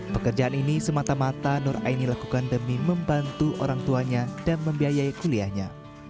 pekerjaan ini semata mata nur aini lakukan demi membantu orang tuanya dan membiayai kuliahnya